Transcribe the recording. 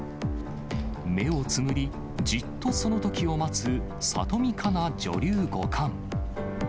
目をつむり、じっとその時を待つ里見香奈女流五冠。